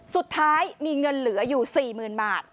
สุดท้ายมีเงินเหลืออยู่๔๐๐๐บาท